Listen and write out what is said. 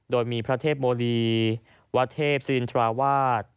โดยมีพระเทพโมลีวัดเทพศินทราวาส